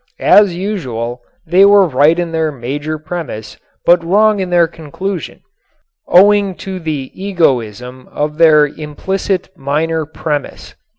As usual they were right in their major premise but wrong in their conclusion, owing to the egoism of their implicit minor premise.